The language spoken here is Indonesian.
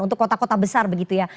untuk kota kota besar begitu ya